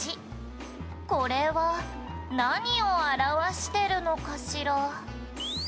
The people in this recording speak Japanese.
「これは何を表してるのかしら？」